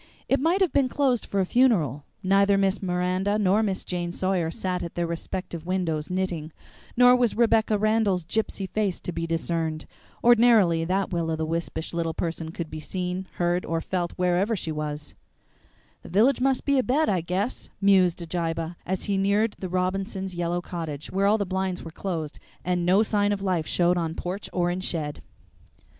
It might have been closed for a funeral. Neither Miss Miranda nor Miss Jane Sawyer sat at their respective windows knitting, nor was Rebecca Randall's gypsy face to be discerned. Ordinarily that will o' the wispish little person could be seen, heard, or felt wherever she was. "The village must be abed, I guess," mused Abijah, as he neared the Robinsons' yellow cottage, where all the blinds were closed and no sign of life showed on porch or in shed.